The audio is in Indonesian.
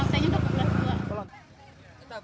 lantainya udah kebelas dua